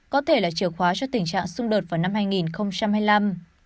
có thể là chìa khóa cho tình trạng xung đột vào năm hai nghìn hai mươi năm